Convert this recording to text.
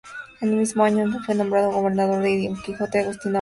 En el mismo año es nombrado Gobernador de Quijos Don Agustín de Ahumada.